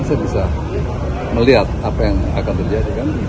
saya bisa melihat apa yang akan terjadi kan